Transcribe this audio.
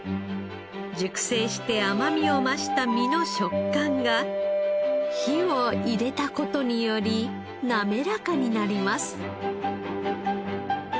熟成して甘みを増した身の食感が火を入れた事によりなめらかになります。